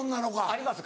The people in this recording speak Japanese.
あります